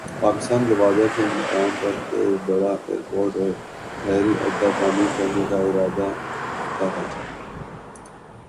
پاکستان گوادر کے مقام پر ایک بڑا ایئرپورٹ اور بحری اڈہ تعمیر کرنے کا ارادہ رکھتا ہے۔